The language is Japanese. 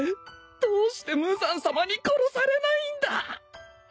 どうして無惨さまに殺されないんだ！